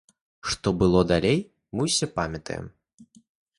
Што было далей, мы ўсе памятаем.